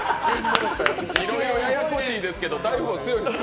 いろいろややこしいですけど、大富豪は強いですか？